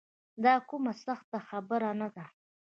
دا کومه سخته خبره نه ده.